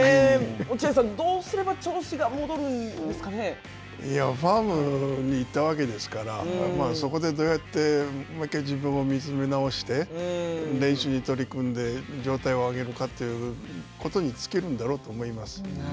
落合さん、どうすれば調子が戻るファームに行ったわけですから、そこでどうやってもう１回自分を見つめ直して、練習に取り組んで、状態を上げるかということに尽きるんだろうと思います。